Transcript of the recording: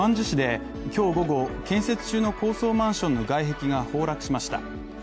市で今日午後、建設中の高層マンションの外壁が崩落しました。